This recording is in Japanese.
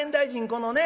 このね